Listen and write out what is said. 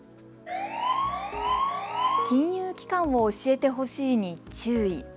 金融機関を教えてほしいに注意。